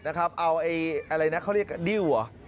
เอาอะไรนะเขาเรียกดิ้วเหรอ